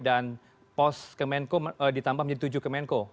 dan pos kemenko ditambah menjadi tujuh kemenko